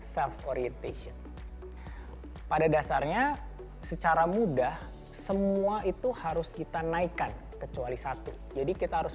self orientation pada dasarnya secara mudah semua itu harus kita naikkan kecuali satu jadi kita harus